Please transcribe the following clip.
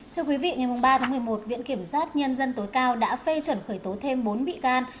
thưa quý vị ngày ba tháng một mươi một viện kiểm sát nhân dân tối cao đã phê chuẩn khởi tố thêm bốn bị can